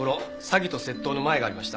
詐欺と窃盗のマエがありました。